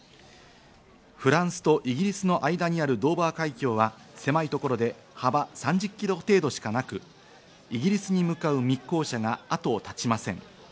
フランスとイギリスの間にあるドーバー海峡は狭いところで幅３０ｋｍ程度しかなく、イギリスに向かう密航者が後を絶ちません。